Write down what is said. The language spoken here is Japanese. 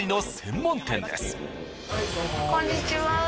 こんにちは。